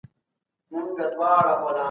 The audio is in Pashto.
هر کتاب چي دلته دی ډېر ګټور دی.